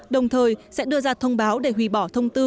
đồng thời sẽ đưa ra thông báo để hủy bỏ thông tư tám trăm linh chín